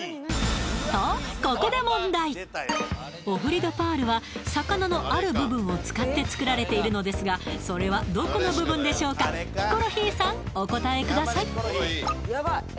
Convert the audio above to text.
オフリドパールは魚のある部分を使って作られているのですがそれはどこの部分でしょうかヒコロヒーさんお答えください